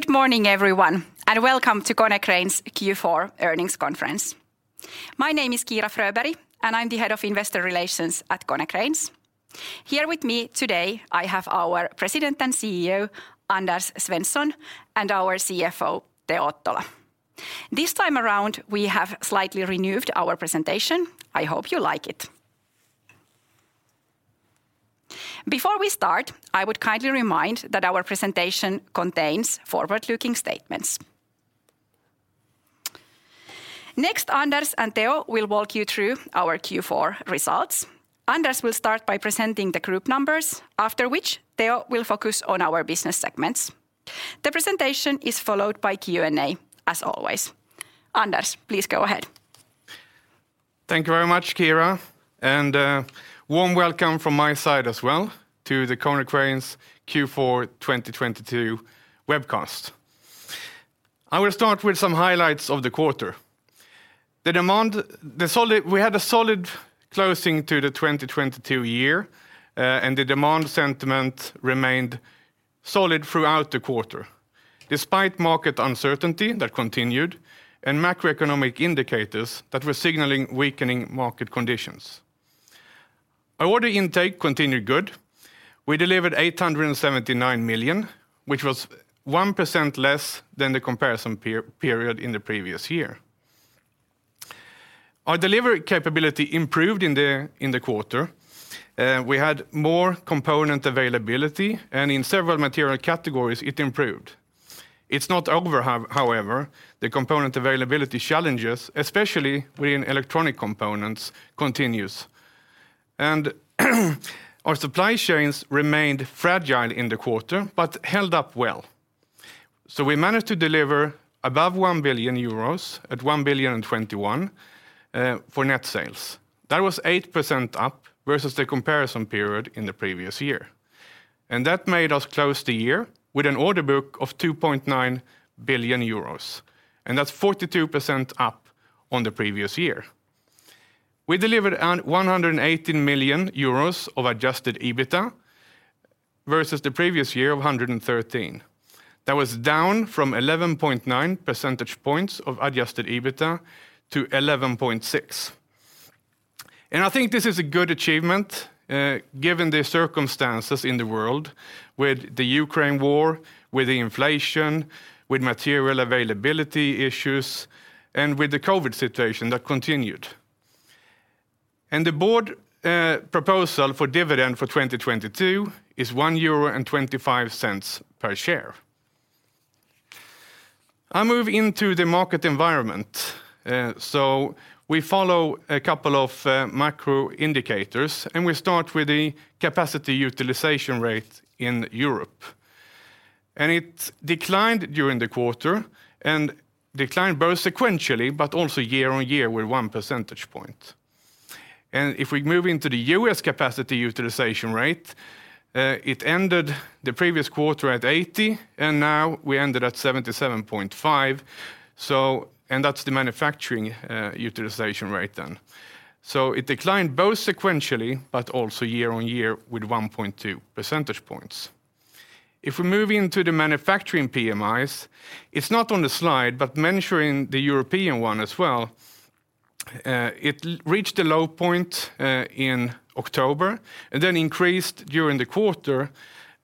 Good morning, everyone, and welcome to Konecranes Q4 Earnings Conference. My name is Kiira Fröberg, and I'm the Head of Investor Relations at Konecranes. Here with me today, I have our President and CEO, Anders Svensson, and our CFO, Teo Ottola. This time around, we have slightly renewed our presentation. I hope you like it. Before we start, I would kindly remind that our presentation contains forward-looking statements. Anders and Teo will walk you through our Q4 results. Anders will start by presenting the group numbers, after which Teo will focus on our business segments. The presentation is followed by Q&A, as always. Anders, please go ahead. Thank you very much, Kiira. Warm welcome from my side as well to the Konecranes Q4 2022 webcast. I will start with some highlights of the quarter. We had a solid closing to the 2022 year, and the demand sentiment remained solid throughout the quarter, despite market uncertainty that continued and macroeconomic indicators that were signaling weakening market conditions. Our order intake continued good. We delivered 879 million, which was 1% less than the comparison period in the previous year. Our delivery capability improved in the quarter. We had more component availability, and in several material categories, it improved. It's not over however. The component availability challenges, especially within electronic components, continues. Our supply chains remained fragile in the quarter, but held up well. We managed to deliver above 1 billion euros at 1.021 billion for net sales. That was 8% up versus the comparison period in the previous year. That made us close the year with an order book of 2.9 billion euros, and that's 42% up on the previous year. We delivered 118 million euros of Adjusted EBITA versus the previous year of 113 million, that was down from 11.9 percentage points of Adjusted EBITA to 11.6 percentage points. I think this is a good achievement given the circumstances in the world with the Ukraine War, with the inflation, with material availability issues, and with the COVID situation that continued. The board proposal for dividend for 2022 is 1.25 euro per share. I move into the market environment. We follow a couple of macro indicators, and we start with the capacity utilization rate in Europe. It declined during the quarter and declined both sequentially, but also year-on-year with 1 percentage point. If we move into the US capacity utilization rate, it ended the previous quarter at 80, and now we ended at 77.5. That's the manufacturing utilization rate then. It declined both sequentially, but also year-on-year with 1.2 percentage points. If we move into the manufacturing PMIs, it's not on the slide, but measuring the European one as well, it reached a low point in October and then increased during the quarter,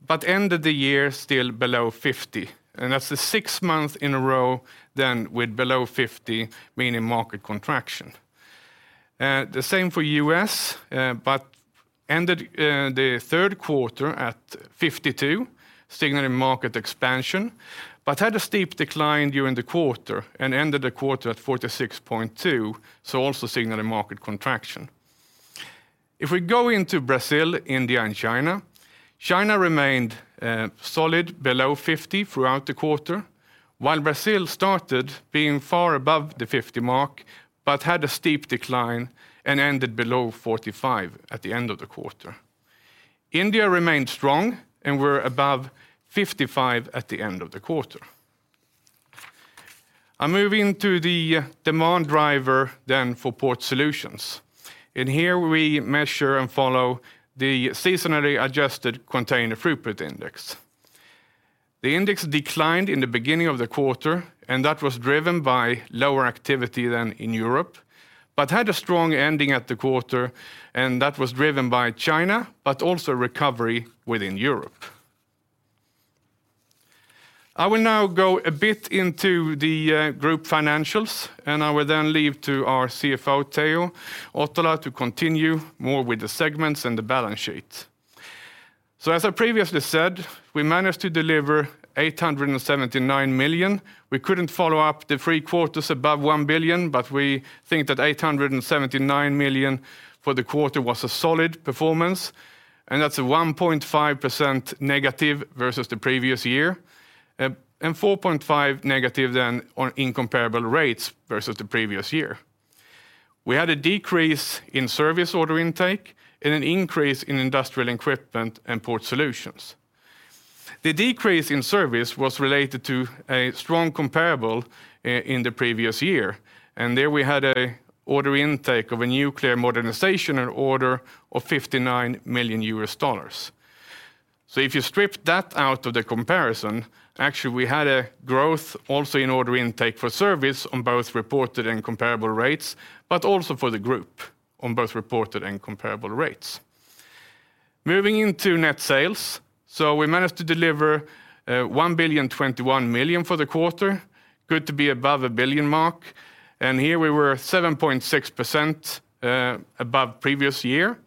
but ended the year still below 50. That's the sixth month in a row then with below 50, meaning market contraction. The same for U.S., but ended the Q3 at 52, signaling market expansion, but had a steep decline during the quarter and ended the quarter at 46.2, so also signaling market contraction. If we go into Brazil, India and China, China remained solid below 50 throughout the quarter, while Brazil started being far above the 50 mark, but had a steep decline and ended below 45 at the end of the quarter. India remained strong and were above 55 at the end of the quarter. I move into the demand driver then for Port Solutions. Here we measure and follow the seasonally adjusted Container Throughput Index. The index declined in the beginning of the quarter, and that was driven by lower activity than in Europe, but had a strong ending at the quarter, and that was driven by China, but also recovery within Europe. I will now go a bit into the group financials, and I will then leave to our CFO, Teo Ottola, to continue more with the segments and the balance sheet. As I previously said, we managed to deliver 879 million. We couldn't follow up the three quarters above 1 billion, but we think that 879 million for the quarter was a solid performance, and that's a 1.5% negative versus the previous year, and 4.5% negative than on incomparable rates versus the previous year. We had a decrease in service order intake and an increase in industrial equipment and Port Solutions. The decrease in service was related to a strong comparable in the previous year, there we had a order intake of a nuclear modernization order of $59 million. If you strip that out of the comparison, actually we had a growth also in order intake for service on both reported and comparable rates, but also for the group on both reported and comparable rates. Moving into Net Sales, we managed to deliver 1,021 million for the quarter. Good to be above a billion mark, here we were 7.6% above previous year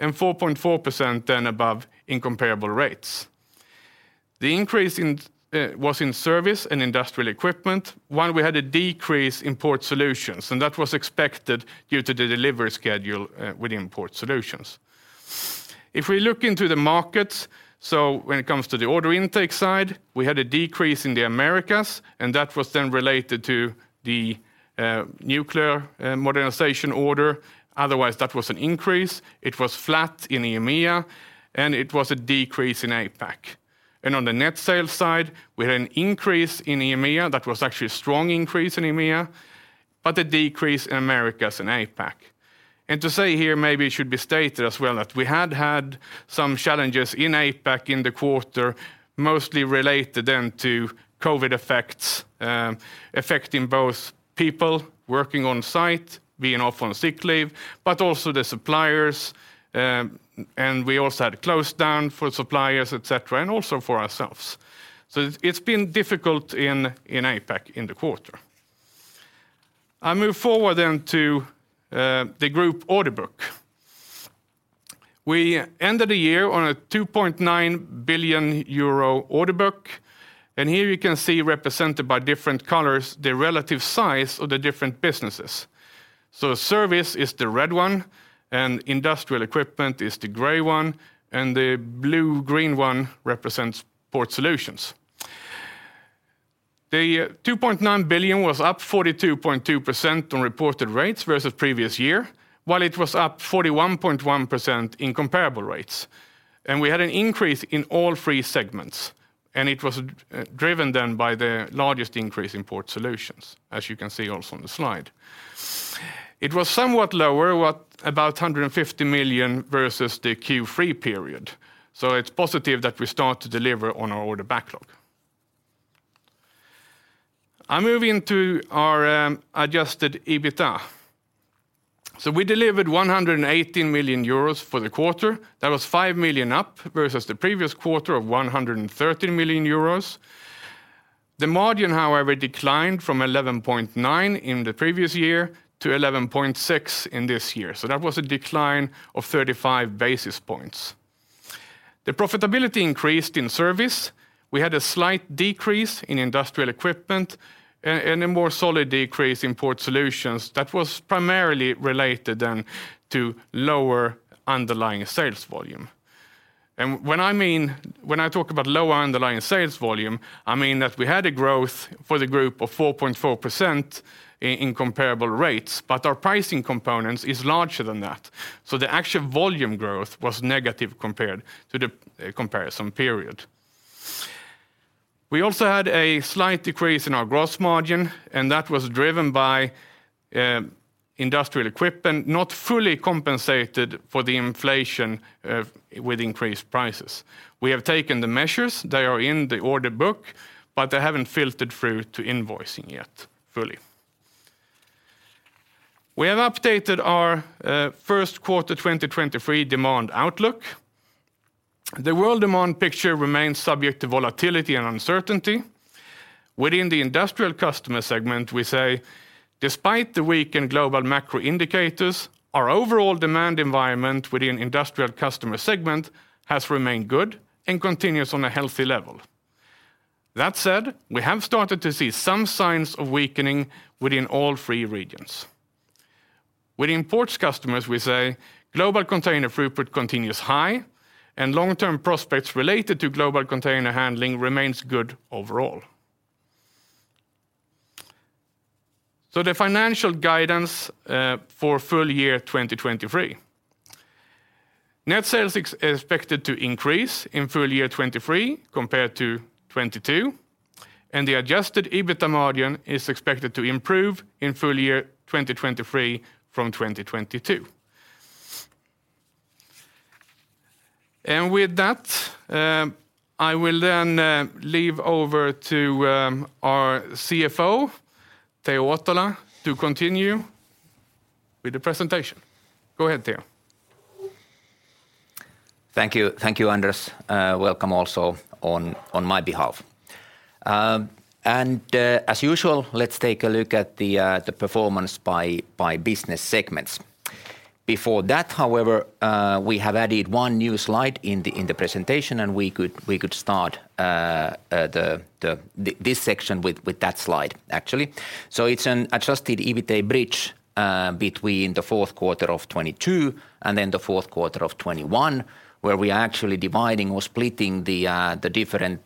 4.4% above in comparable rates. The increase was in service and industrial equipment, while we had a decrease in Port Solutions. That was expected due to the delivery schedule within Port Solutions. If we look into the markets, when it comes to the order intake side, we had a decrease in the Americas. That was then related to the nuclear modernization order. Otherwise, that was an increase. It was flat in EMEA, and it was a decrease in APAC. On the net sales side, we had an increase in EMEA that was actually a strong increase in EMEA, but a decrease in Americas and APAC. To say here, maybe it should be stated as well that we had had some challenges in APAC in the quarter, mostly related then to COVID effects, affecting both people working on site, being off on sick leave, but also the suppliers, and we also had a close down for suppliers, et cetera, and also for ourselves. It's been difficult in APAC in the quarter. I move forward then to the group order book. We ended the year on a 2.9 billion euro order book, and here you can see represented by different colors the relative size of the different businesses. Service is the red one, and industrial equipment is the gray one, and the blue-green one represents Port Solutions. The 2.9 billion was up 42.2% on reported rates versus previous year, while it was up 41.1% in comparable rates. We had an increase in all three segments, and it was driven then by the largest increase in Port Solutions, as you can see also on the slide. It was somewhat lower, what, about 150 million versus the Q3 period. It's positive that we start to deliver on our order backlog. I move into our adjusted EBITA. We delivered 118 million euros for the quarter. That was 5 million up versus the previous quarter of 113 million euros. The margin, however, declined from 11.9% in the previous year to 11.6% in this year. That was a decline of 35 basis points. The profitability increased in service. We had a slight decrease in industrial equipment and a more solid decrease in Port Solutions that was primarily related then to lower underlying sales volume. When I talk about lower underlying sales volume, I mean that we had a growth for the group of 4.4% in comparable rates, but our pricing components is larger than that. The actual volume growth was negative compared to the comparison period. We also had a slight decrease in our gross margin, that was driven by industrial equipment not fully compensated for the inflation with increased prices. We have taken the measures. They are in the order book, they haven't filtered through to invoicing yet fully. We have updated our Q1 2023 demand outlook. The world demand picture remains subject to volatility and uncertainty. Within the industrial customer segment, we say, "Despite the weakened global macro indicators, our overall demand environment within industrial customer segment has remained good and continues on a healthy level." That said, we have started to see some signs of weakening within all three regions. Within ports customers, we say, "Global container throughput continues high, and long-term prospects related to global container handling remains good overall." The financial guidance for full year 2023. Net sales is expected to increase in full year 2023 compared to 2022, and the Adjusted EBITA margin is expected to improve in full year 2023 from 2022. With that, I will then leave over to our CFO, Teo Ottola, to continue with the presentation. Go ahead, Teo. Thank you. Thank you, Anders. Welcome also on my behalf. As usual, let's take a look at the performance by business segments. Before that, however, we have added one new slide in the presentation, and we could start this section with that slide, actually. It's an adjusted EBITA bridge between the Q4 of 2022 and then the Q4 of 2021, where we are actually dividing or splitting the different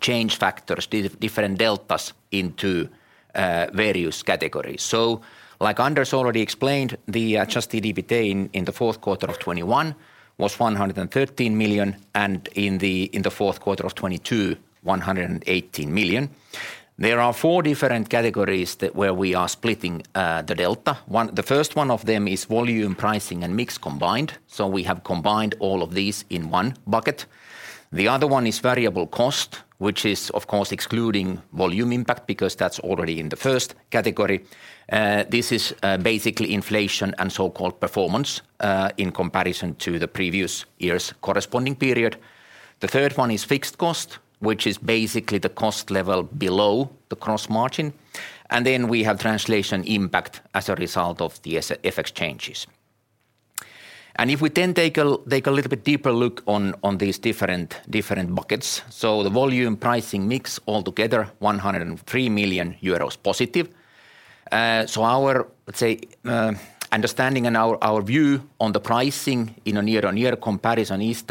change factors, the different deltas into various categories. Like Anders already explained, the Adjusted EBITA in the Q4 of 2021 was 113 million, and in the Q4 of 2022, 118 million. There are four different categories that where we are splitting the delta. The first one of them is volume pricing and mix combined. We have combined all of these in one bucket. The other one is variable cost, which is of course excluding volume impact because that's already in the first category. This is basically inflation and so-called performance in comparison to the previous year's corresponding period. The third one is fixed cost, which is basically the cost level below the Gross Margin. We have translation impact as a result of the FX changes. If we then take a little bit deeper look on these different buckets, the volume pricing mix altogether 103 million euros positive. Our, let's say, understanding and our view on the pricing in a year-on-year comparison is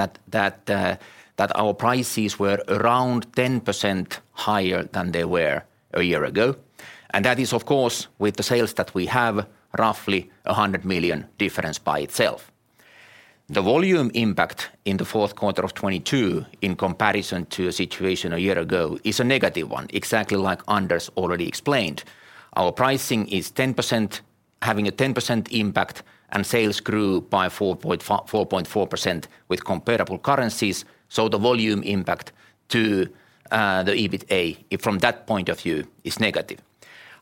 that our prices were around 10% higher than they were a year ago. That is, of course, with the sales that we have roughly 100 million difference by itself. The volume impact in the Q4 of 2022 in comparison to a situation a year ago is a negative one, exactly like Anders already explained. Our pricing is having a 10% impact, and sales grew by 4.4% with comparable currencies. The volume impact to the EBITA from that point of view is negative.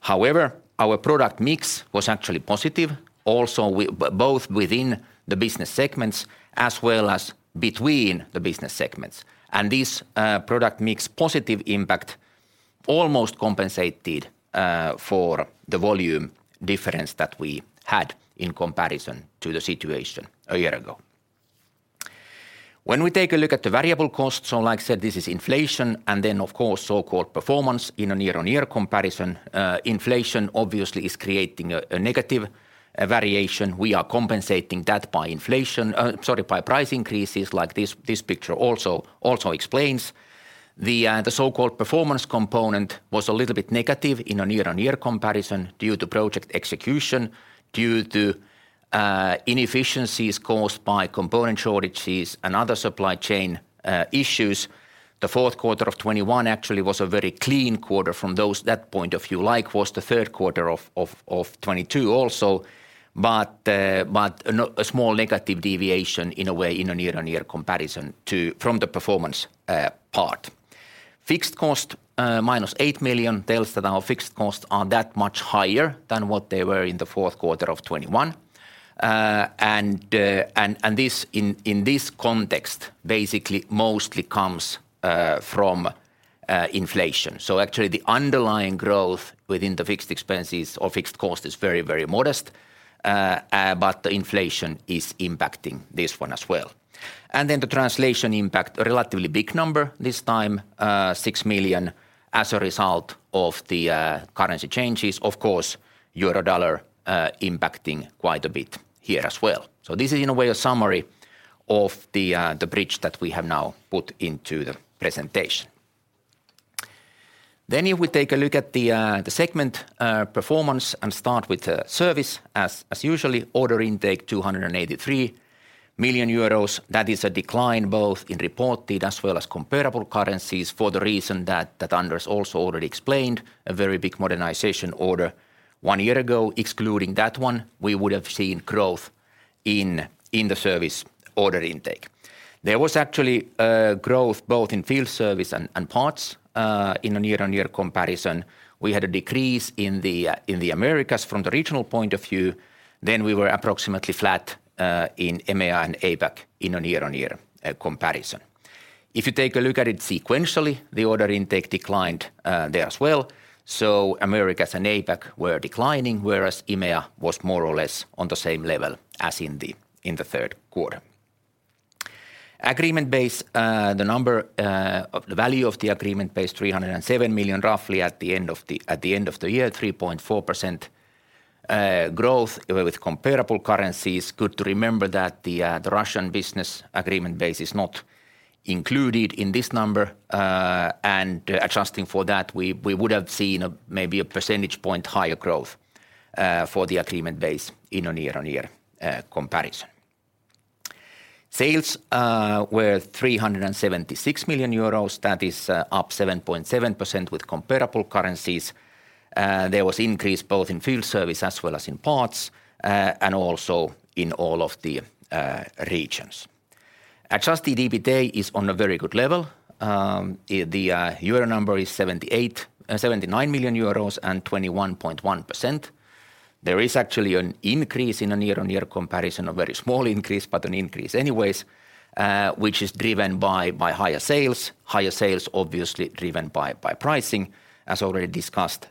However, our product mix was actually positive also both within the business segments as well as between the business segments. This product mix positive impact almost compensated for the volume difference that we had in comparison to the situation a year ago. We take a look at the variable costs, like I said, this is inflation and of course so-called performance in a year-on-year comparison. Inflation obviously is creating a negative variation. We are compensating that by price increases like this picture also explains. The so-called performance component was a little bit negative in a year-on-year comparison due to project execution, due to inefficiencies caused by component shortages and other supply chain issues. The Q4 of 2021 actually was a very clean quarter from those, that point of view, like was the Q3 of 2022 also. A small negative deviation in a way in a year-on-year comparison from the performance part. Fixed cost, minus 8 million tells that our fixed costs are that much higher than what they were in the Q4 of 2021. And this in this context, basically mostly comes from inflation. Actually the underlying growth within the fixed expenses or fixed cost is very, very modest. But the inflation is impacting this one as well. Then the translation impact a relatively big number this time, 6 million as a result of the currency changes, of course euro-dollar, impacting quite a bit here as well. This is in a way a summary of the bridge that we have now put into the presentation. If we take a look at the segment performance and start with the service as usually, order intake 283 million euros. That is a decline both in reported as well as comparable currencies for the reason that Anders also already explained, a very big modernization order one year ago. Excluding that one, we would have seen growth in the service order intake. There was actually growth both in field service and parts in a year-on-year comparison. We had a decrease in the Americas from the regional point of view. We were approximately flat in EMEA and APAC in a year-on-year comparison. If you take a look at it sequentially, the order intake declined there as well. Americas and APAC were declining, whereas EMEA was more or less on the same level as in the Q3. Agreement base, the number of the value of the agreement base 307 million roughly at the end of the year, 3.4% growth with comparable currencies. Good to remember that the Russian business agreement base is not included in this number. Adjusting for that, we would have seen a maybe a percentage point higher growth for the agreement base in a year-on-year comparison. Sales were EUR 376 million. That is up 7.7% with comparable currencies. There was increase both in field service as well as in parts, and also in all of the regions. Adjusted EBITA is on a very good level. The euro number is 78-79 million euros and 21.1%. There is actually an increase in a year-on-year comparison, a very small increase, but an increase anyways, which is driven by higher sales. Higher sales obviously driven by pricing, as already discussed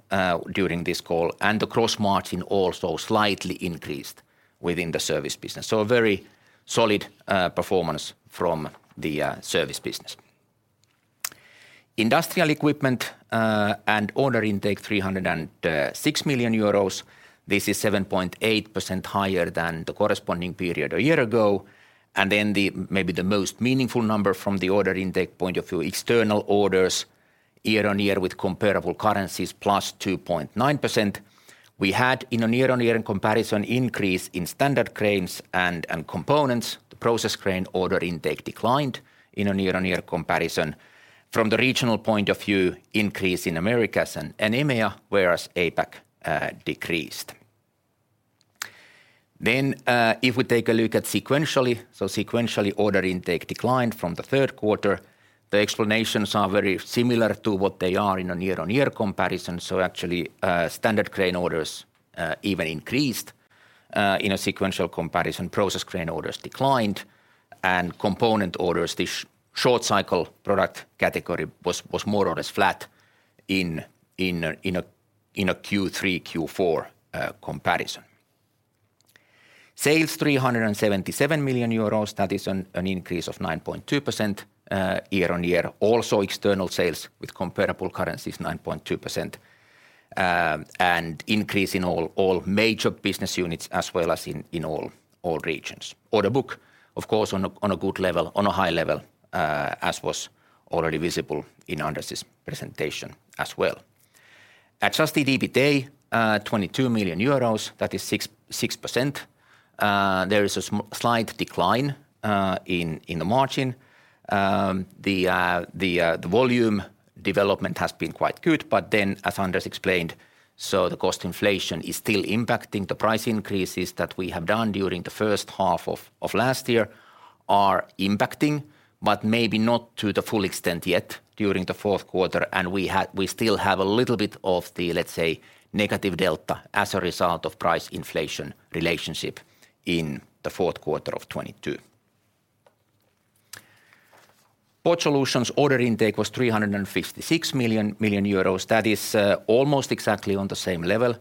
during this call, The Gross Margin also slightly increased within the service business. A very solid performance from the service business. Industrial equipment, Order intake 306 million euros. This is 7.8% higher than the corresponding period a year ago. The, maybe the most meaningful number from the order intake point of view, external orders year-on-year with comparable currencies +2.9%. We had in a year-on-year comparison increase in standard cranes and components. The process crane order intake declined in a year-on-year comparison. From the regional point of view, increase in Americas and EMEA, whereas APAC decreased. If we take a look at sequentially order intake declined from the Q3. The explanations are very similar to what they are in a year-on-year comparison. Actually, standard crane orders even increased in a sequential comparison. Process crane orders declined, and component orders, the short cycle product category was more or less flat in a Q3/Q4 comparison. Sales 377 million euros. That is an increase of 9.2% year-on-year. External sales with comparable currencies, 9.2%. Increase in all major business units as well as in all regions. Order book, of course, on a good level, on a high level, as was already visible in Anders' presentation as well. Adjusted EBITA, 22 million euros. That is 6%. There is a slight decline in the margin. The volume development has been quite good. As Anders explained, the cost inflation is still impacting the price increases that we have done during the first half of last year are impacting, but maybe not to the full extent yet during the Q4. We still have a little bit of the, let's say, negative delta as a result of price inflation relationship in the Q4 of 2022. Port Solutions order intake was 356 million. That is almost exactly on the same level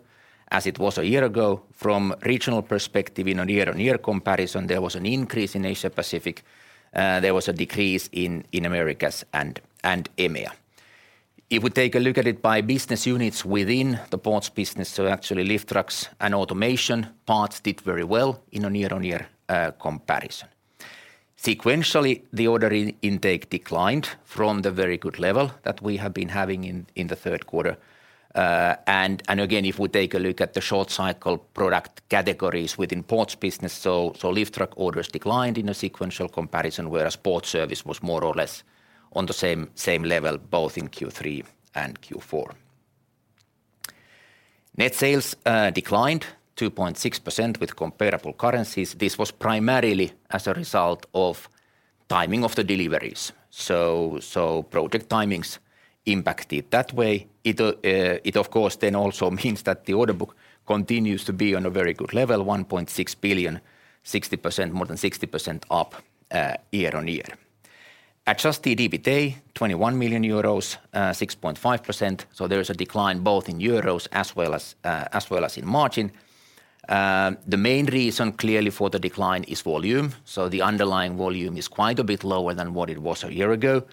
as it was a year ago. From regional perspective in a year-on-year comparison, there was an increase in Asia Pacific. There was a decrease in Americas and EMEA. If we take a look at it by business units within the ports business, actually lift trucks and automation parts did very well in a year-on-year comparison. Sequentially, the order intake declined from the very good level that we have been having in the Q3. Again, if we take a look at the short cycle product categories within ports business, lift truck orders declined in a sequential comparison, whereas port service was more or less on the same level both in Q3 and Q4. Net sales declined 2.6% with comparable currencies. This was primarily as a result of timing of the deliveries. Project timings impacted that way. It of course then also means that the order book continues to be on a very good level, 1.6 billion, 60%, more than 60% up year-on-year. adjusted EBITA, 21 million euros, 6.5%. There is a decline both in euros as well as in margin. The main reason clearly for the decline is volume. The underlying volume is quite a bit lower than what it was a year ago.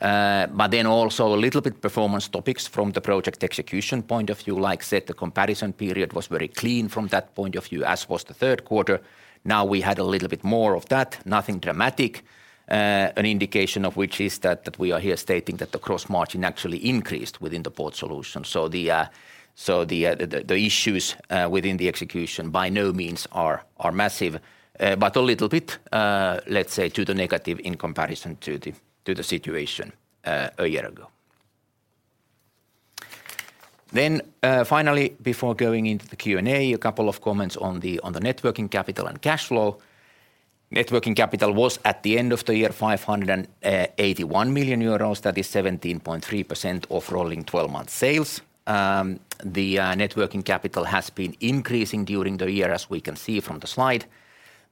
Also a little bit performance topics from the project execution point of view. Like said, the comparison period was very clean from that point of view, as was the Q3. Now we had a little bit more of that, nothing dramatic. An indication of which is that we are here stating that the Gross Margin actually increased within the Port Solutions. The issues within the execution by no means are massive. A little bit, let's say, to the negative in comparison to the situation a year ago. Finally, before going into the Q&A, a couple of comments on the net working capital and cash flow. Net working capital was, at the end of the year, 581 million euros. That is 17.3% of rolling 12-month sales. The net working capital has been increasing during the year, as we can see from the slide.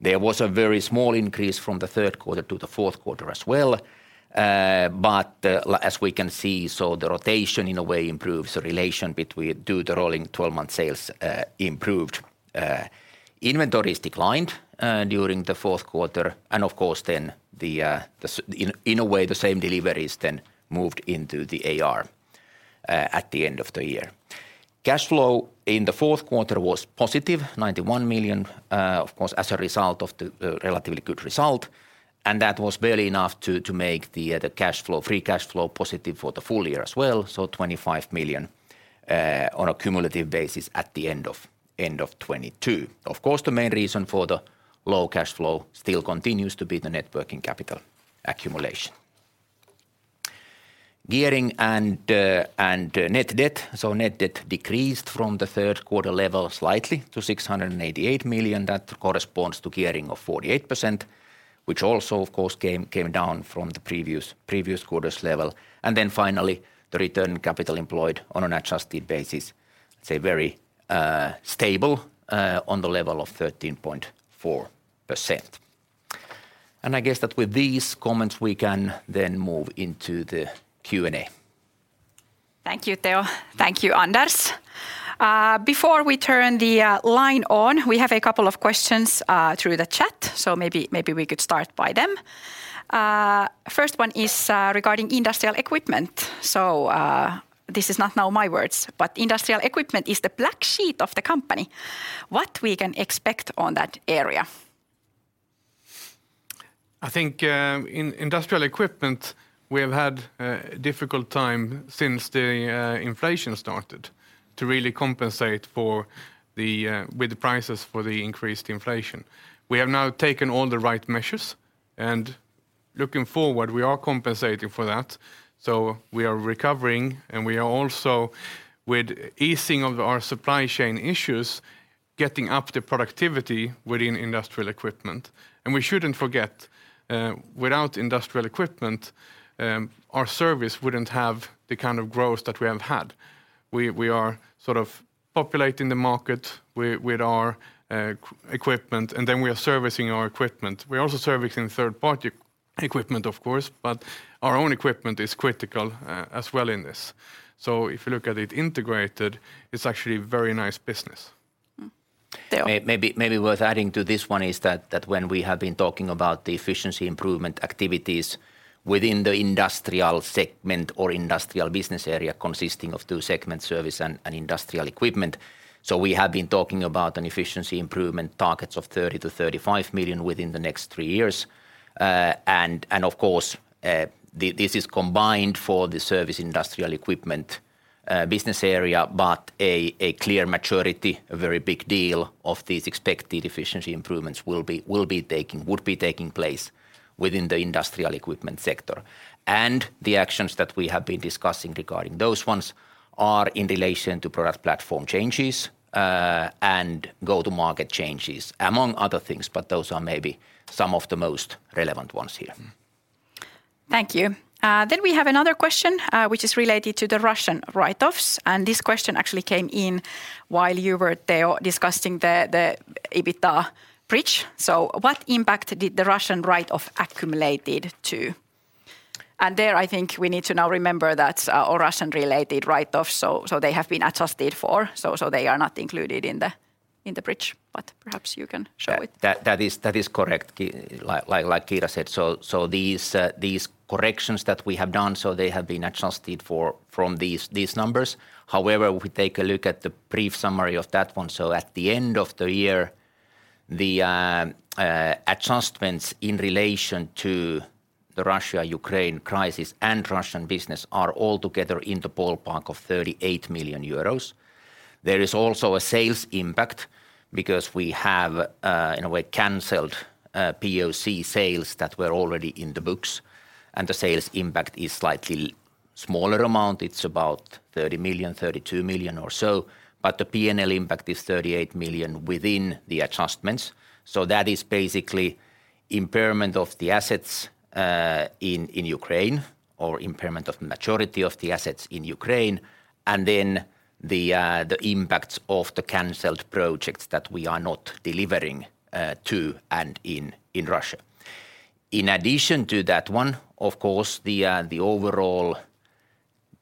There was a very small increase from the Q3 to the Q4 as well. As we can see, the rotation in a way improves the relation between the rolling 12-month sales improved. Inventories declined during the Q4. And of course, then the in a way, the same deliveries then moved into the AR at the end of the year. Cash flow in the Q4 was positive, 91 million, of course, as a result of the relatively good result. And that was barely enough to make the cash flow, Free Cash Flow positive for the full year as well, so 25 million on a cumulative basis at the end of 2022. Of course, the main reason for the low cash flow still continues to be the net working capital accumulation. Gearing and net debt. Net debt decreased from the Q3 level slightly to 688 million. That corresponds to gearing of 48%, which also of course came down from the previous quarter's level. Finally, the Return on Capital Employed on an adjusted basis, say very stable on the level of 13.4%. I guess that with these comments, we can then move into the Q&A. Thank you, Teo. Thank you, Anders. Before we turn the line on, we have a couple of questions through the chat, so maybe we could start by them. First one is regarding industrial equipment. This is not now my words, but industrial equipment is the black sheep of the company. What we can expect on that area? I think, in industrial equipment, we have had a difficult time since the inflation started to really compensate for the with the prices for the increased inflation. We have now taken all the right measures. Looking forward, we are compensating for that. We are recovering, and we are also, with easing of our supply chain issues, getting up the productivity within industrial equipment. We shouldn't forget, without industrial equipment, our service wouldn't have the kind of growth that we have had. We are sort of populating the market with our equipment, and then we are servicing our equipment. We are also servicing third-party equipment, of course, but our own equipment is critical as well in this. If you look at it integrated, it's actually very nice business. Teo? Maybe worth adding to this one is that when we have been talking about the efficiency improvement activities within the Industrial segment or Industrial business area consisting of two segments, Service and Industrial Equipment, we have been talking about an efficiency improvement targets of 30 million-35 million within the next three years. And of course, this is combined for the Service Industrial Equipment business area, but a clear maturity, a very big deal of these expected efficiency improvements would be taking place within the Industrial Equipment sector. The actions that we have been discussing regarding those ones are in relation to product platform changes and go-to-market changes, among other things, but those are maybe some of the most relevant ones here. Thank you. We have another question, which is related to the Russian write-offs, and this question actually came in while you were, Teo, discussing the EBITDA bridge. What impact did the Russian write-off accumulated to? There, I think we need to now remember that all Russian-related write-offs, so they have been adjusted for, so they are not included in the bridge. Perhaps you can show it. That is correct, like Kiira said. These corrections that we have done, they have been adjusted for from these numbers. However, if we take a look at the brief summary of that one, at the end of the year, the adjustments in relation to the Russia-Ukraine crisis and Russian business are all together in the ballpark of 38 million euros. There is also a sales impact because we have, in a way, canceled POC sales that were already in the books, and the sales impact is slightly smaller amount. It's about 30 million, 32 million or so. The P&L impact is 38 million within the adjustments. That is basically impairment of the assets in Ukraine, or impairment of maturity of the assets in Ukraine, and then the impacts of the canceled projects that we are not delivering to and in Russia. In addition to that one, of course, the overall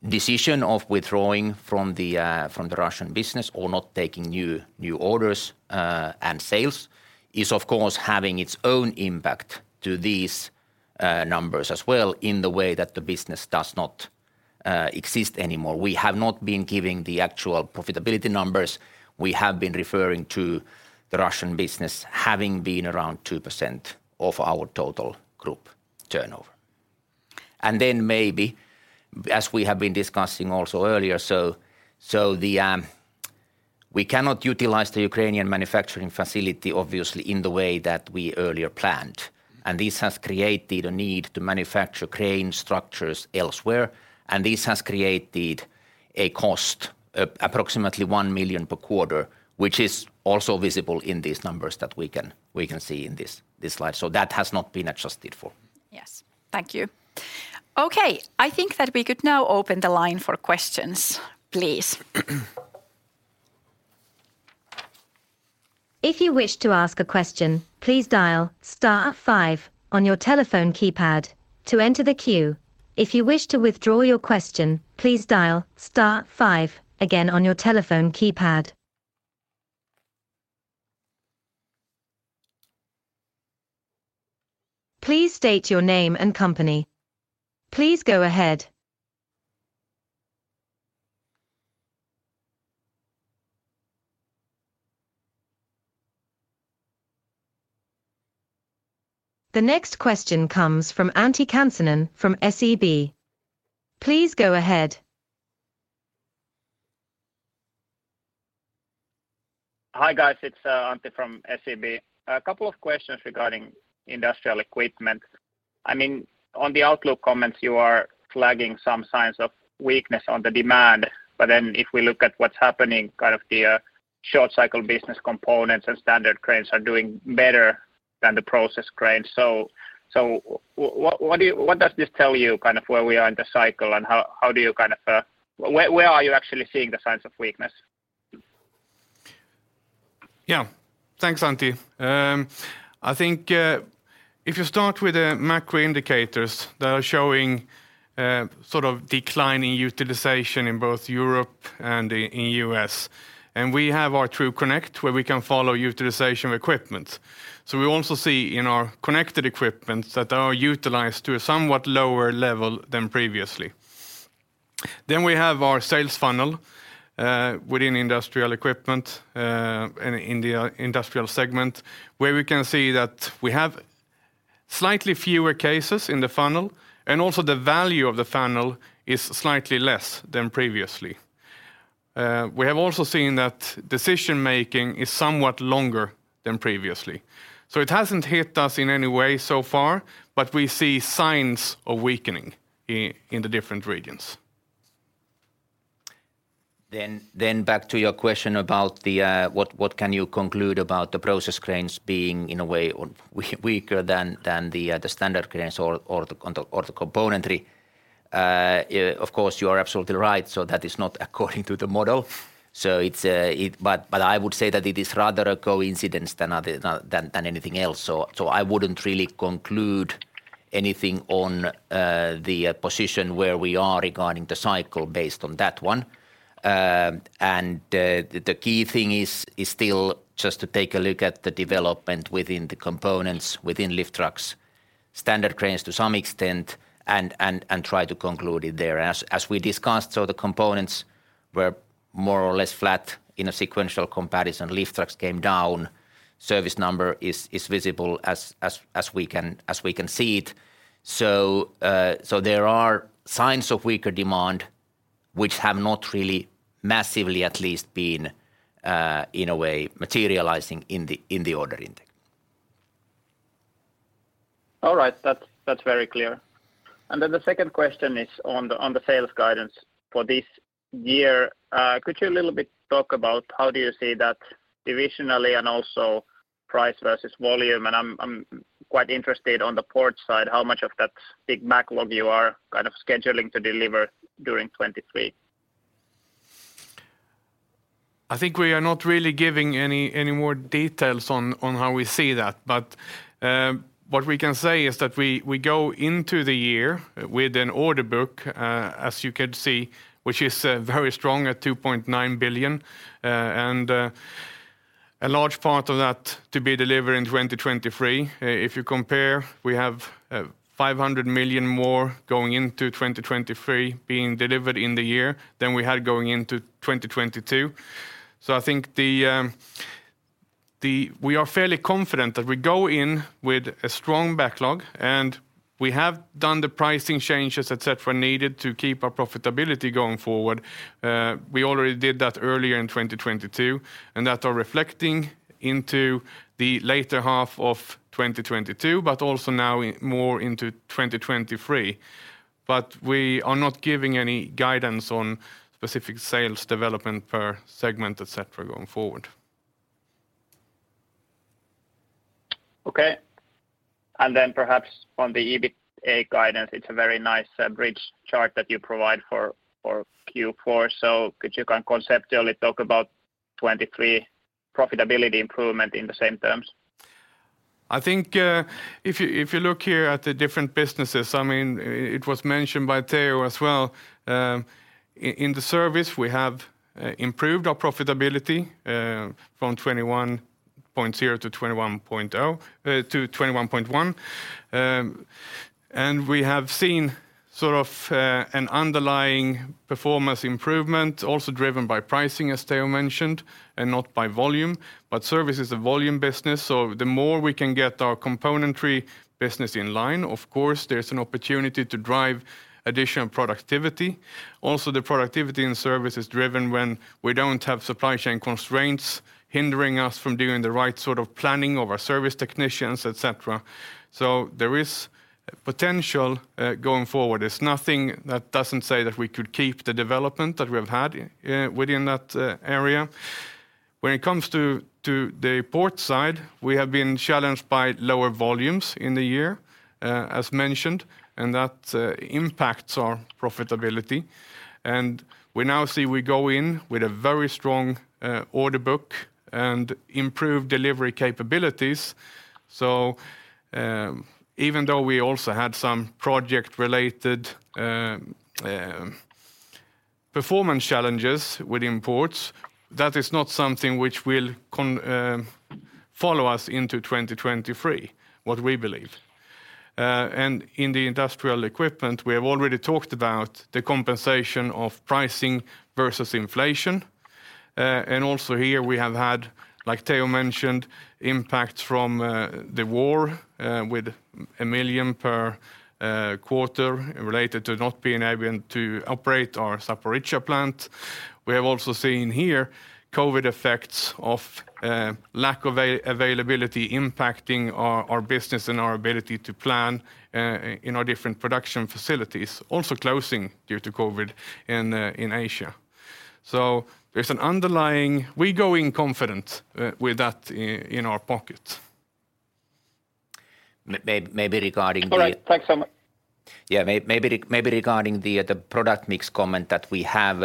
decision of withdrawing from the Russian business or not taking new orders and sales is, of course, having its own impact to these numbers as well in the way that the business does not exist anymore. We have not been giving the actual profitability numbers. We have been referring to the Russian business having been around 2% of our total group turnover. Maybe, as we have been discussing also earlier, so the, we cannot utilize the Ukrainian manufacturing facility, obviously, in the way that we earlier planned, this has created a need to manufacture crane structures elsewhere, this has created a cost, approximately 1 million per quarter, which is also visible in these numbers that we can see in this slide. That has not been adjusted for. Yes. Thank you. Okay. I think that we could now open the line for questions, please. If you wish to ask a question, please dial star five on your telephone keypad to enter the queue. If you wish to withdraw your question, please dial star five again on your telephone keypad. Please state your name and company. Please go ahead. The next question comes from Antti Kansanen from SEB. Please go ahead. Hi, guys. It's Antti from SEB. A couple of questions regarding industrial equipment. I mean, on the outlook comments, you are flagging some signs of weakness on the demand. If we look at what's happening, kind of the short cycle business components and standard cranes are doing better than the process cranes. So what does this tell you, kind of where we are in the cycle and how do you kind of where are you actually seeing the signs of weakness? Yeah. Thanks, Antti. I think, if you start with the macro indicators that are showing, sort of declining utilization in both Europe and the, in U.S., and we have our TRUCONNECT, where we can follow utilization of equipment. We also see in our connected equipments that are utilized to a somewhat lower level than previously. We have our sales funnel, within industrial equipment, in the industrial segment, where we can see that we have slightly fewer cases in the funnel, and also the value of the funnel is slightly less than previously. We have also seen that decision-making is somewhat longer than previously. It hasn't hit us in any way so far, but we see signs of weakening in the different regions. Back to your question about the what can you conclude about the process cranes being in a way or weaker than the Standard Cranes or the Componentry. Of course, you are absolutely right, that is not according to the model. It's, but I would say that it is rather a coincidence than other, than anything else. I wouldn't really conclude anything on the position where we are regarding the cycle based on that one. The key thing is still just to take a look at the development within the components, within lift trucks, Standard Cranes to some extent, and try to conclude it there. As we discussed, the components were more or less flat in a sequential comparison. Lift trucks came down. Service number is visible as we can see it. There are signs of weaker demand which have not really massively at least been in a way materializing in the order intake. All right. That's very clear. The second question is on the sales guidance for this year. Could you a little bit talk about how do you see that divisionally and also price versus volume? I'm quite interested on the Port side, how much of that big backlog you are kind of scheduling to deliver during 2023? I think we are not really giving any more details on how we see that. What we can say is that we go into the year with an order book, as you could see, which is very strong at 2.9 billion. A large part of that to be delivered in 2023. If you compare, we have 500 million more going into 2023 being delivered in the year than we had going into 2022. I think we are fairly confident that we go in with a strong backlog, and we have done the pricing changes, etc., needed to keep our profitability going forward. We already did that earlier in 2022, and that are reflecting into the later half of 2022, but also now in more into 2023. We are not giving any guidance on specific sales development per segment, etc., Going forward. Okay. Perhaps on the EBITA guidance, it's a very nice bridge chart that you provide for Q4. Could you kind of conceptually talk about 2023 profitability improvement in the same terms? I think, if you look here at the different businesses, I mean, it was mentioned by Teo as well. In the service, we have improved our profitability, from 21.0% to 21.1%. We have seen sort of, an underlying performance improvement also driven by pricing, as Teo mentioned, and not by volume. Service is a volume business, the more we can get our Componentry business in line, of course, there's an opportunity to drive additional productivity. The productivity in service is driven when we don't have supply chain constraints hindering us from doing the right sort of planning of our service technicians, et cetera. There is potential, going forward. There's nothing that doesn't say that we could keep the development that we have had within that area. When it comes to the Port side, we have been challenged by lower volumes in the year, as mentioned. That impacts our profitability. We now see we go in with a very strong order book and improved delivery capabilities. Even though we also had some project-related performance challenges within Ports, that is not something which will follow us into 2023, what we believe. In the Industrial Equipment, we have already talked about the compensation of pricing versus inflation. Also here we have had, like Teo mentioned, impacts from the war with 1 million per quarter related to not being able to operate our Zaporizhzhia Plant. We have also seen here COVID effects of, lack of availability impacting our business and our ability to plan, in our different production facilities also closing due to COVID in Asia. There's an underlying... We go in confident, with that in our pocket. Maybe. All right. Thanks so much. Yeah, maybe regarding the product mix comment that we have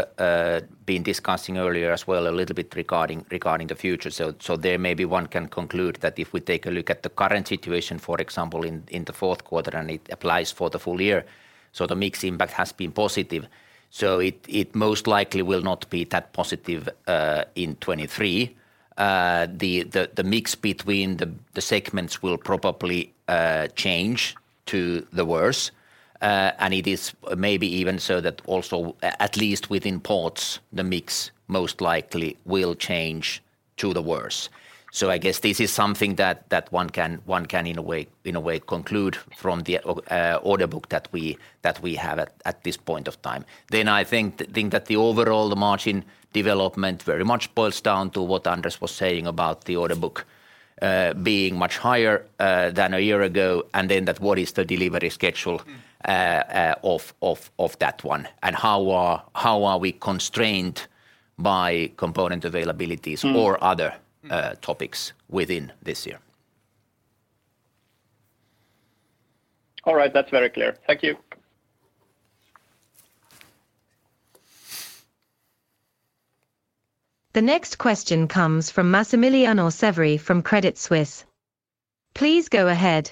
been discussing earlier as well a little bit regarding the future. There may be one can conclude that if we take a look at the current situation, for example, in the Q4, and it applies for the full year. The mix impact has been positive. It most likely will not be that positive in 2023. The mix between the segments will probably change to the worse. And it is maybe even so that also at least within ports, the mix most likely will change to the worse. I guess this is something that one can in a way conclude from the order book that we have at this point of time. I think that the overall the margin development very much boils down to what Anders was saying about the order book, being much higher than a year ago, and then that what is the delivery schedule of that one. How are we constrained by component availabilities or other topics within this year. All right. That's very clear. Thank you. The next question comes from Massimiliano Severi from Credit Suisse. Please go ahead.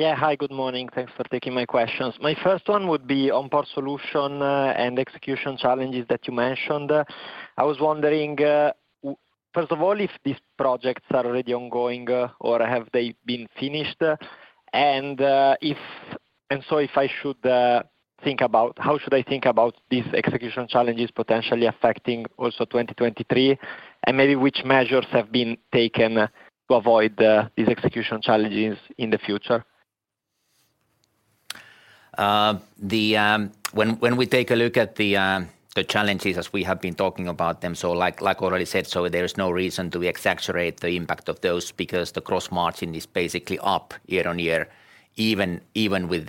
Yeah. Hi, good morning. Thanks for taking my questions. My first one would be on Port Solutions and execution challenges that you mentioned. I was wondering, first of all, if these projects are already ongoing or have they been finished? If I should think about how should I think about these execution challenges potentially affecting also 2023? Maybe which measures have been taken to avoid these execution challenges in the future? When we take a look at the challenges as we have been talking about them, like already said, there's no reason to exaggerate the impact of those because the Gross Margin is basically up year-over-year even with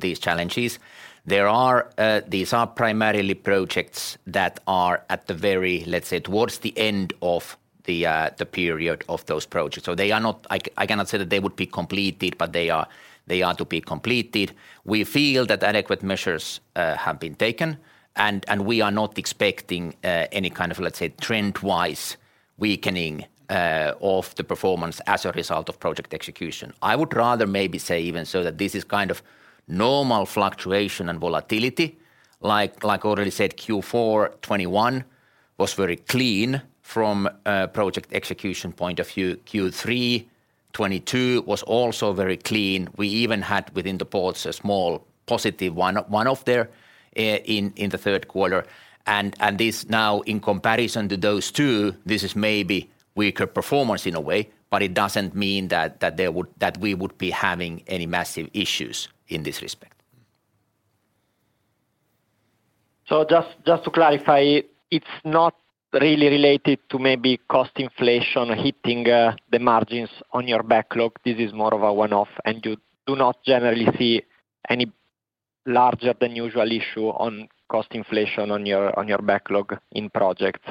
these challenges. These are primarily projects that are at the very, let's say, towards the end of the period of those projects. They are not- I cannot say that they would be completed, but they are to be completed. We feel that adequate measures have been taken and we are not expecting any kind of, let's say, trend-wise weakening of the performance as a result of project execution. I would rather maybe say even so that this is kind of normal fluctuation and volatility. Like already said, Q4 2021 was very clean from a project execution point of view. Q3 2022 was also very clean. We even had within the ports a small positive one-off there in the Q3. This now in comparison to those two, this is maybe weaker performance in a way, but it doesn't mean that we would be having any massive issues in this respect. Just to clarify, it's not really related to maybe cost inflation hitting the margins on your backlog. This is more of a one-off, and you do not generally see any larger than usual issue on cost inflation on your backlog in projects.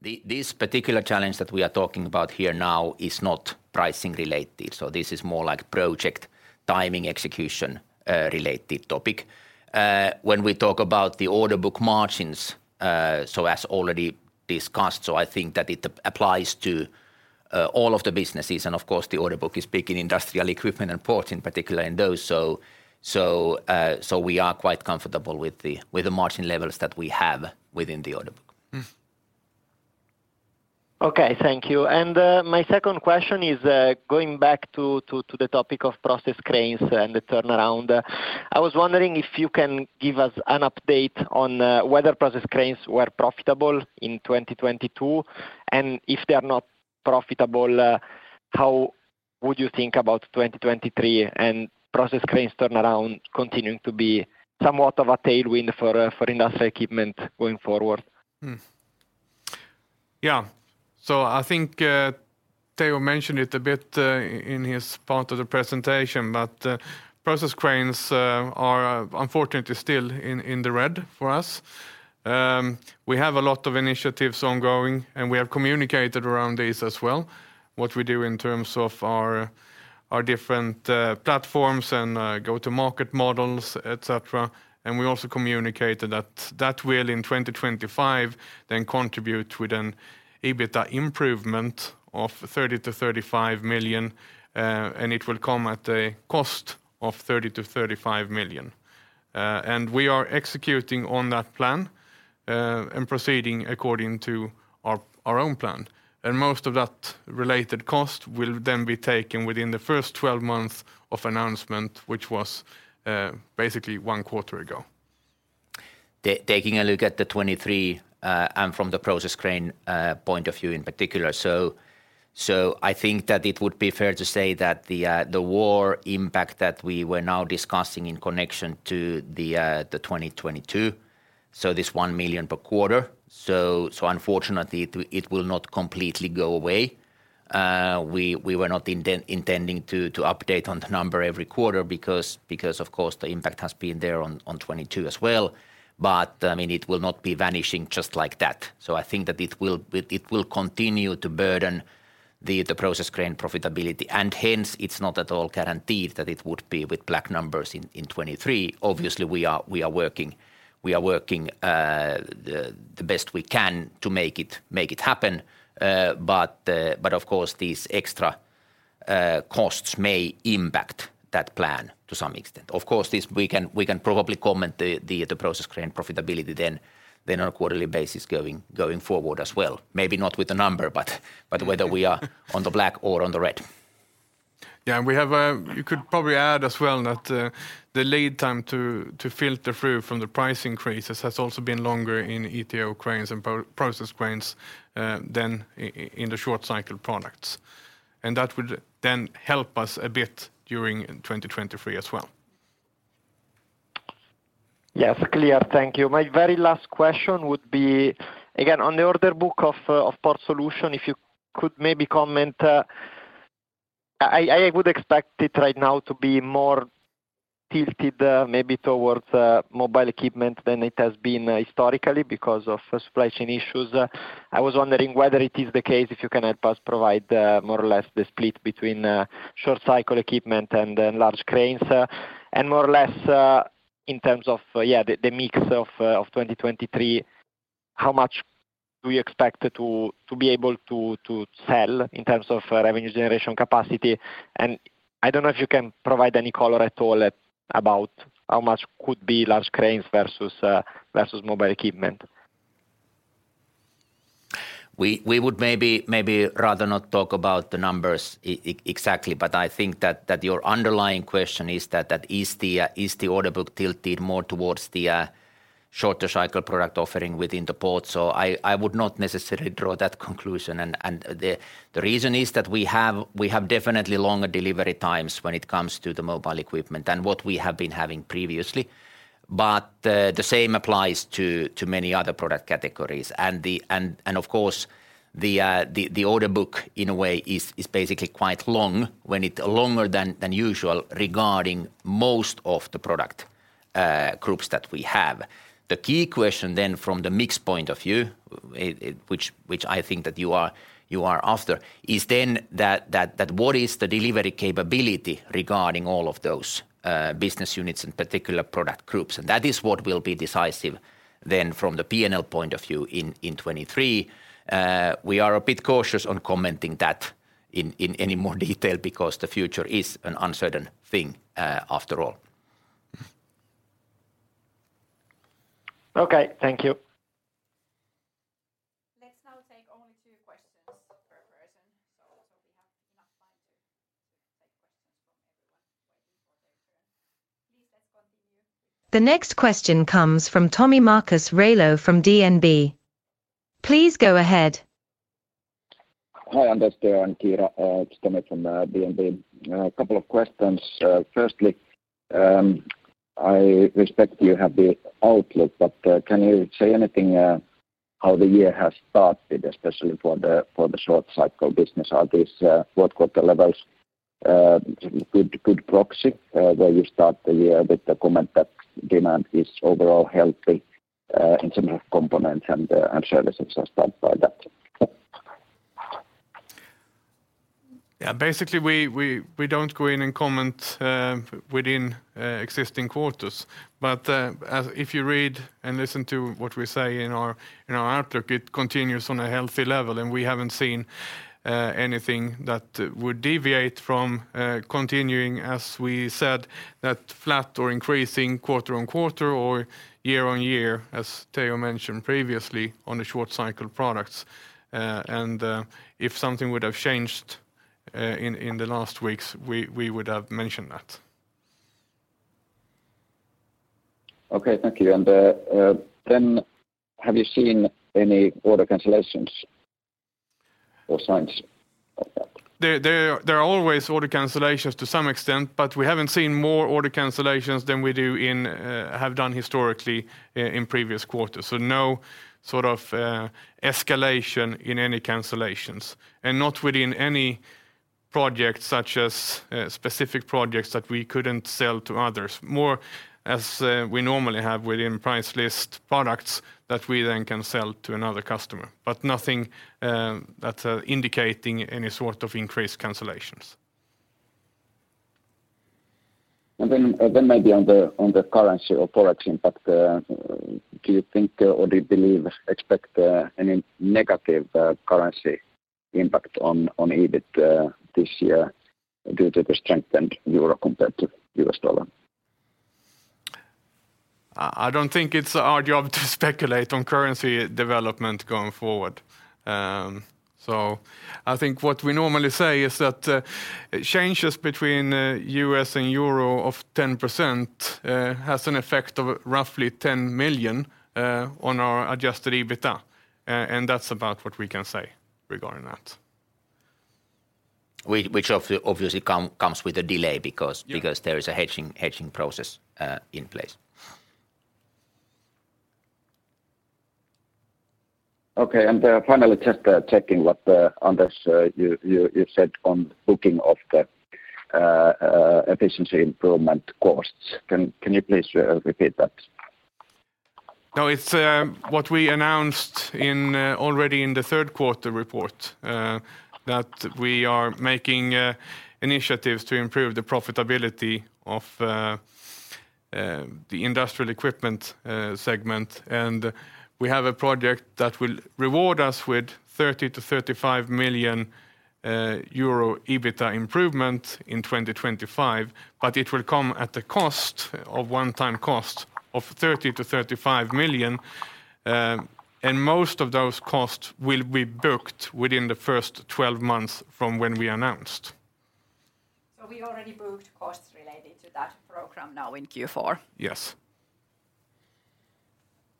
This particular challenge that we are talking about here now is not pricing related. This is more like project timing execution, related topic. When we talk about the order book margins, as already discussed, I think that it applies to all of the businesses. Of course, the order book is big in industrial equipment and ports in particular in those. We are quite comfortable with the margin levels that we have within the order book. Okay. Thank you. My second question is going back to the topic of process cranes and the turnaround. I was wondering if you can give us an update on whether process cranes were profitable in 2022. If they are not profitable, how would you think about 2023 and process cranes turnaround continuing to be somewhat of a tailwind for industrial equipment going forward? I think Teo mentioned it a bit in his part of the presentation, process cranes are unfortunately still in the red for us. We have a lot of initiatives ongoing, we have communicated around these as well, what we do in terms of our different platforms and go-to-market models, et cetera. We also communicated that that will in 2025 then contribute with an EBITA improvement of 30 million-35 million, and it will come at a cost of 30 million-35 million. We are executing on that plan, proceeding according to our own plan. Most of that related cost will then be taken within the first 12 months of announcement, which was basically one quarter ago. Taking a look at the 23, from the process crane point of view in particular. I think that it would be fair to say that the war impact that we were now discussing in connection to the 2022, this 1 million per quarter, unfortunately it will not completely go away. We were not intending to update on the number every quarter because of course the impact has been there on 22 as well. I mean, it will not be vanishing just like that. I think that it will continue to burden the process crane profitability, and hence it's not at all guaranteed that it would be with black numbers in 23. Obviously, we are working the best we can to make it happen. Of course these extra costs may impact that plan to some extent. Of course, this we can probably comment the process crane profitability then on a quarterly basis going forward as well. Maybe not with a number, but whether we are on the black or on the red. We have, you could probably add as well that, the lead time to filter through from the price increases has also been longer in ETO cranes and pro-process cranes, than in the short cycle products. That would then help us a bit during 2023 as well. Yes. Clear. Thank you. My very last question would be, again, on the order book of Port Solution, if you could maybe comment. I would expect it right now to be more tilted maybe towards mobile equipment than it has been historically because of supply chain issues. I was wondering whether it is the case, if you can help us provide more or less the split between short cycle equipment and then large cranes. More or less, in terms of the mix of 2023, how much do you expect to be able to sell in terms of revenue generation capacity? And I don't know if you can provide any color at all about how much could be large cranes versus mobile equipment. We would maybe rather not talk about the numbers exactly, but I think that your underlying question is that is the order book tilted more towards the shorter cycle product offering within the port? I would not necessarily draw that conclusion. The reason is that we have definitely longer delivery times when it comes to the mobile equipment than what we have been having previously. The same applies to many other product categories. Of course, the order book in a way is basically quite long when it longer than usual regarding most of the product groups that we have. The key question then from the mix point of view, which I think that you are after, is then that what is the delivery capability regarding all of those business units and particular product groups. That is what will be decisive then from the P&L point of view in 2023. We are a bit cautious on commenting that in any more detail because the future is an uncertain thing after all. Okay. Thank you. Let's now take only two questions per person so we have enough time to take questions from everyone waiting for their turn. Please, let's continue. The next question comes from Tomi Markus Railo from DNB. Please go ahead. Hi, Anders, Teo and Kiira. It's Tomi from DNB. A couple of questions. Firstly, I respect you have the outlook, but can you say anything how the year has started, especially for the short cycle business? Are these Q4 levels good proxy where you start the year with the comment that demand is overall healthy in terms of component and services and stuff like that? Yeah. Basically, we don't go in and comment within existing quarters. If you read and listen to what we say in our outlook, it continues on a healthy level, and we haven't seen anything that would deviate from continuing as we said, that flat or increasing quarter-over-quarter or year-over-year, as Teo mentioned previously, on the short cycle products. If something would have changed in the last weeks, we would have mentioned that. Okay. Thank you. Have you seen any order cancellations or signs of that? There are always order cancellations to some extent, but we haven't seen more order cancellations than we do in have done historically in previous quarters. No sort of escalation in any cancellations, and not within any project such as specific projects that we couldn't sell to others. More as we normally have within price list products that we then can sell to another customer. Nothing that indicating any sort of increased cancellations. Then, then maybe on the, on the currency or ForEx impact. Do you think or do you believe, expect, any negative, currency impact on EBIT, this year due to the strengthened euro compared to U.S. dollar? I don't think it's our job to speculate on currency development going forward. So I think what we normally say is that changes between U.S. and EUR of 10% has an effect of roughly 10 million on our adjusted EBITDA. And that's about what we can say regarding that. Which obviously comes with a delay because there is a hedging process in place. Okay. Finally just checking what Anders you said on booking of the efficiency improvement costs. Can you please repeat that? No. It's what we announced in already in the Q3 report. That we are making initiatives to improve the profitability of the industrial equipment segment. We have a project that will reward us with 30-35 million euro EBITDA improvement in 2025. It will come at a cost of one-time cost of 30-35 million. Most of those costs will be booked within the first 12 months from when we announced. We already booked costs related to that program now in Q4? Yes.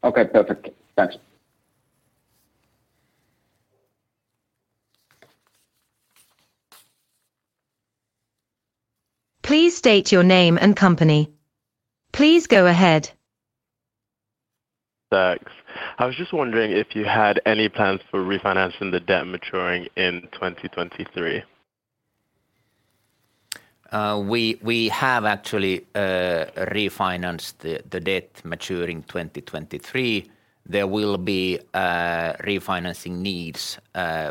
Okay, perfect. Thanks. Please state your name and company. Please go ahead. Thanks. I was just wondering if you had any plans for refinancing the debt maturing in 2023. We have actually refinanced the debt maturing 2023. There will be refinancing needs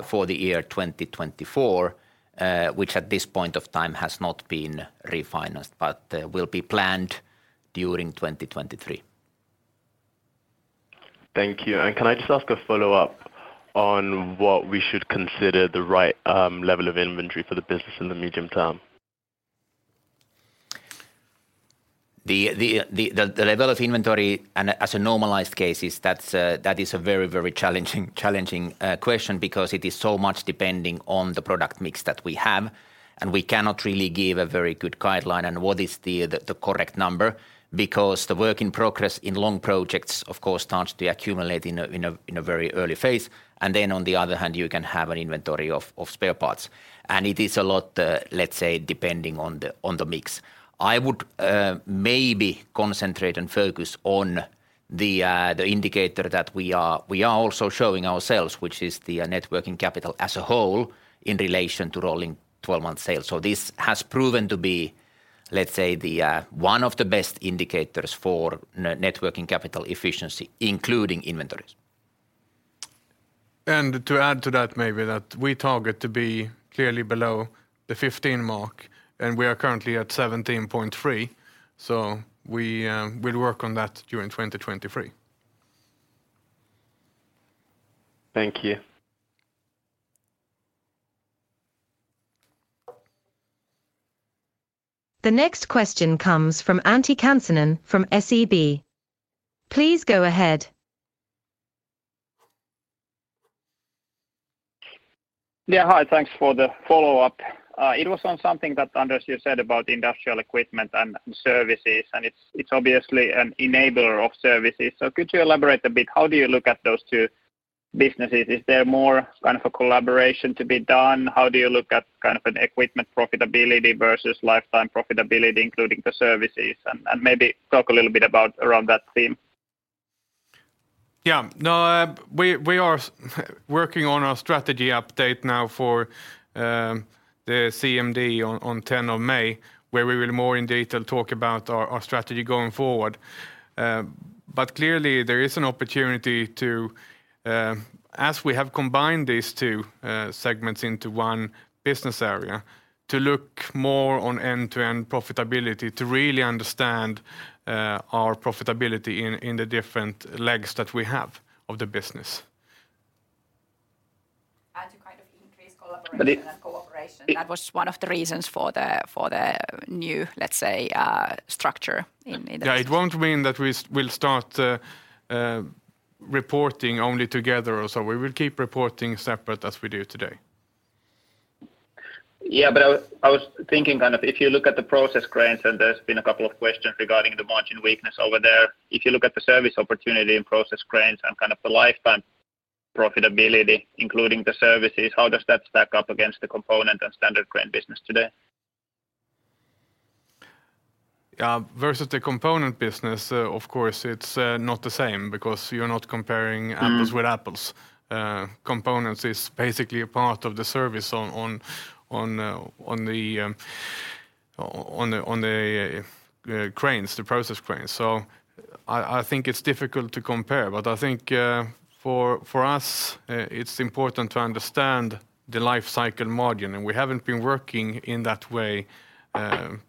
for the year 2024, which at this point of time has not been refinanced, but will be planned during 2023. Thank you. Can I just ask a follow-up on what we should consider the right level of inventory for the business in the medium term? The level of inventory and as a normalized case is that is a very challenging question because it is so much depending on the product mix that we have. We cannot really give a very good guideline on what is the correct number because the work in progress in long projects, of course, starts to accumulate in a very early phase. Then on the other hand, you can have an inventory of spare parts. It is a lot, let's say, depending on the mix. I would maybe concentrate and focus on the indicator that we are also showing ourselves, which is the net working capital as a whole in relation to rolling 12-month sales. This has proven to be, let's say, the one of the best indicators for net working capital efficiency, including inventories. To add to that maybe that we target to be clearly below the 15 mark, and we are currently at 17.3, so we will work on that during 2023. Thank you. The next question comes from Antti Kansanen from SEB. Please go ahead. Yeah. Hi. Thanks for the follow-up. It was on something that, Anders, you said about industrial equipment and services, and it's obviously an enabler of services. Could you elaborate a bit? How do you look at those two businesses? Is there more kind of a collaboration to be done? How do you look at kind of an equipment profitability versus lifetime profitability, including the services? Maybe talk a little bit about around that theme. Yeah. No, we are working on our strategy update now for the CMD on 10 of May, where we will more in detail talk about our strategy going forward. Clearly there is an opportunity to, as we have combined these two segments into one business area, to look more on end-to-end profitability to really understand our profitability in the different legs that we have of the business. To kind of increase collaboration. But it-... and cooperation. That was one of the reasons for the, for the new, let's say, structure in. Yeah. It won't mean that we'll start reporting only together or so. We will keep reporting separate as we do today. Yeah. I was thinking kind of if you look at the process cranes, there's been a couple of questions regarding the margin weakness over there. If you look at the service opportunity in process cranes and kind of the lifetime profitability, including the services, how does that stack up against the component and standard crane business today? Yeah. Versus the component business, of course, it's not the same because you're not comparing... Mm apples with apples. Components is basically a part of the service on the cranes, the process cranes. I think it's difficult to compare. I think for us, it's important to understand the life cycle margin, and we haven't been working in that way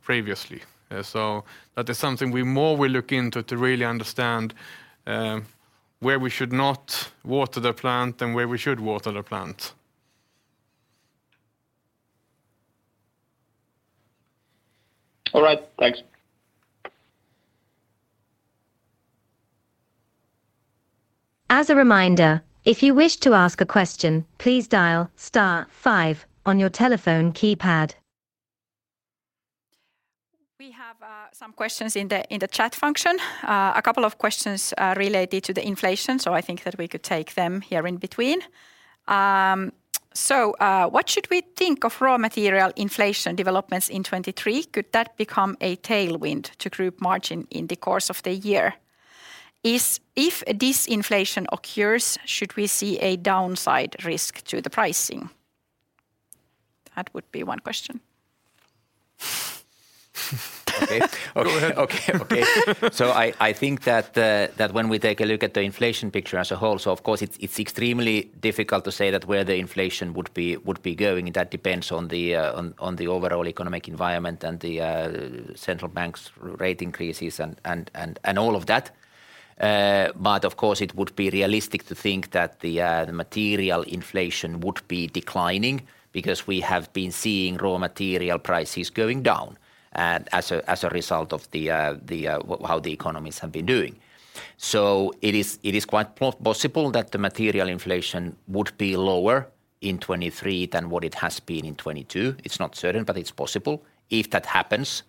previously. That is something we more will look into to really understand where we should not water the plant and where we should water the plant. All right. Thanks. As a reminder, if you wish to ask a question, please dial star five on your telephone keypad. We have some questions in the chat function. A couple of questions related to the inflation, so I think that we could take them here in between. What should we think of raw material inflation developments in 2023? Could that become a tailwind to group margin in the course of the year? If this inflation occurs, should we see a downside risk to the pricing? That would be one question. Okay. Go ahead. Okay, okay. I think that when we take a look at the inflation picture as a whole, of course it's extremely difficult to say that where the inflation would be going. That depends on the overall economic environment and the central bank's rate increases and all of that. Of course it would be realistic to think that the material inflation would be declining because we have been seeing raw material prices going down as a result of how the economies have been doing. It is quite possible that the material inflation would be lower in 2023 than what it has been in 2022. It's not certain, but it's possible. If that happens,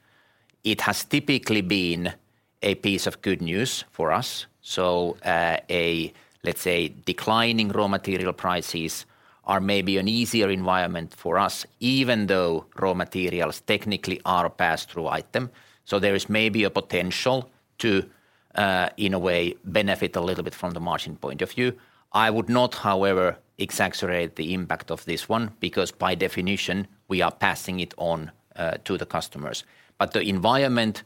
it has typically been a piece of good news for us, so, let's say, declining raw material prices are maybe an easier environment for us even though raw materials technically are a pass-through item. There is maybe a potential to, in a way benefit a little bit from the margin point of view. I would not, however, exaggerate the impact of this one because by definition we are passing it on to the customers. The environment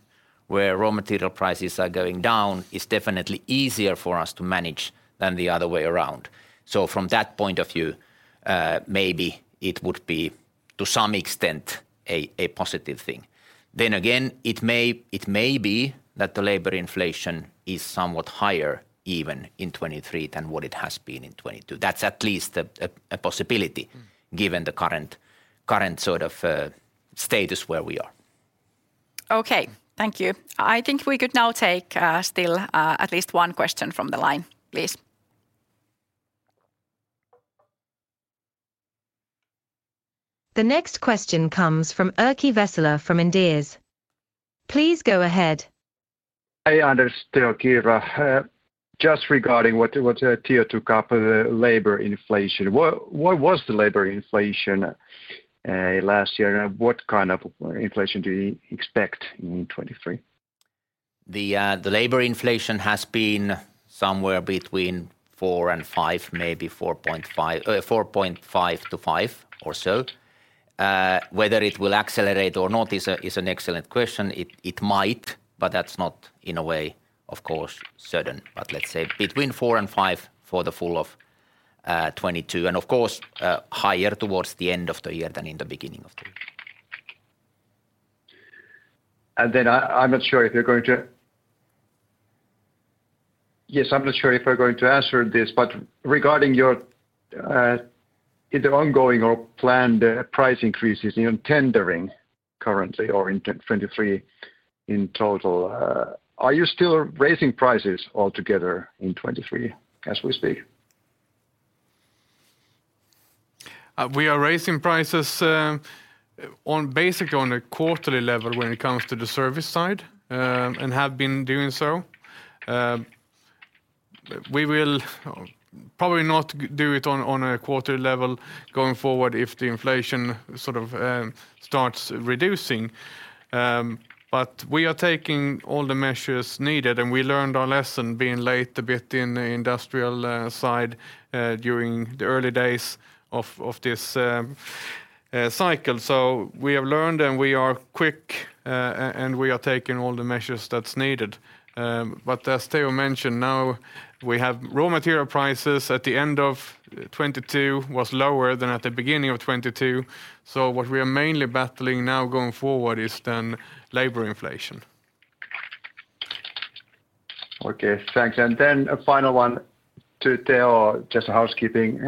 where raw material prices are going down is definitely easier for us to manage than the other way around. From that point of view, maybe it would be to some extent a positive thing. Again, it may be that the labor inflation is somewhat higher even in 2023 than what it has been in 2022. That's at least a possibility given the current sort of, status where we are. Thank you. I think we could now take, still, at least one question from the line, please. The next question comes from Erkki Vesala from Inderes. Please go ahead. Hi, Anders, Teo, Kiira. Just regarding what Teo took up, the labor inflation, what was the labor inflation last year, and what kind of inflation do you expect in 2023? The labor inflation has been somewhere between 4% and 5%, maybe 4.5%, 4.5%-5% or so. Whether it will accelerate or not is an excellent question. It might, but that's not in a way of course certain. Let's say between 4% and 5% for the full of 2022, and of course, higher towards the end of the year than in the beginning of the year. Yes, I'm not sure if you're going to answer this. Regarding your, either ongoing or planned, price increases in tendering currently or in 2023 in total, are you still raising prices altogether in 2023 as we speak? We are raising prices on basically on a quarterly level when it comes to the service side, and have been doing so. We will probably not do it on a quarterly level going forward if the inflation sort of starts reducing. We are taking all the measures needed, and we learned our lesson being late a bit in the industrial side during the early days of this cycle. We have learned, and we are quick. We are taking all the measures that's needed. As Teo mentioned, now we have raw material prices at the end of 2022 was lower than at the beginning of 2022. What we are mainly battling now going forward is then labor inflation. Okay. Thanks. A final one to Teo, just a housekeeping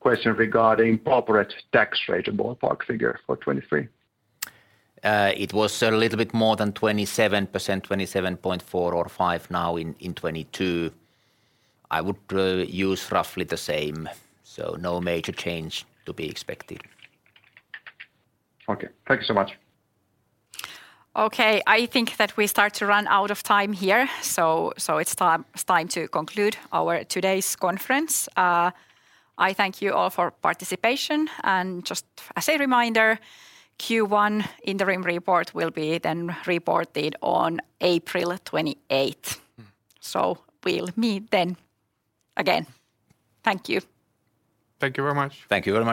question regarding corporate tax rate, a ballpark figure for 2023. It was a little bit more than 27%, 27.4% or 5% now in 2022. I would use roughly the same. No major change to be expected. Okay. Thank you so much. Okay. I think that we start to run out of time here, so it's time to conclude our today's conference. I thank you all for participation. Just as a reminder, Q1 interim report will be then reported on April 28th. Mm. We'll meet then again. Thank you. Thank you very much. Thank you very much.